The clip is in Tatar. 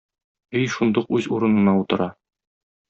Өй шундук үз урынына утыра.